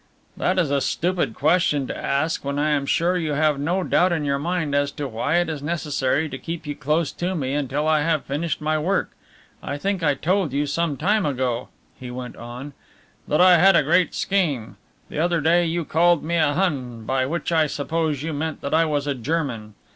"That is a stupid question to ask when I am sure you have no doubt in your mind as to why it is necessary to keep you close to me until I have finished my work. I think I told you some time ago," he went on, "that I had a great scheme. The other day you called me a Hun, by which I suppose you meant that I was a German.